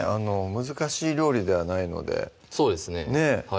難しい料理ではないのでそうですね